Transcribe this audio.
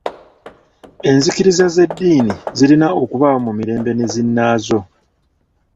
Enzikiriza z'edddiini zirina okubaawo mu mirembe ne zinaazo.